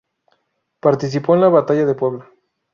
Participó en la Batalla de Puebla.